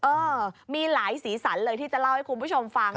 เออมีหลายสีสันเลยที่จะเล่าให้คุณผู้ชมฟัง